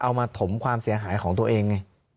มาถมความเสียหายของตัวเองไง